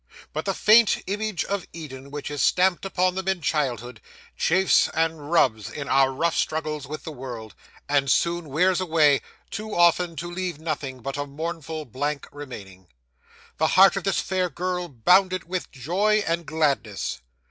But, the faint image of Eden which is stamped upon them in childhood, chafes and rubs in our rough struggles with the world, and soon wears away: too often to leave nothing but a mournful blank remaining. 'The heart of this fair girl bounded with joy and gladness.